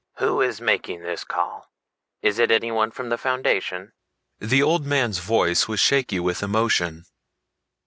"Who is making this call is it anyone from the Foundation?" The old man's voice was shaky with emotion.